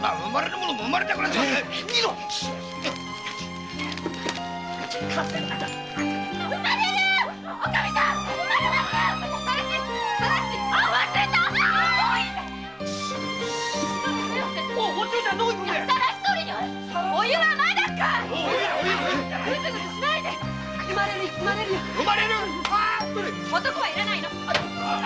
男は要らないの！